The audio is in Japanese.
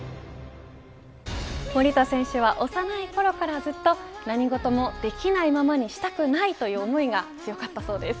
守田選手は幼いころからずっと何事もできないままにしたくないという思いが強かったそうです。